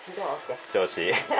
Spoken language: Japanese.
調子。